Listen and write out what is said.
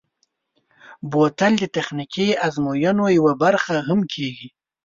بوتل د تخنیکي ازموینو یوه برخه هم کېږي.